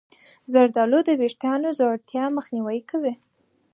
زردآلو د ویښتانو د ځوړتیا مخنیوی کوي.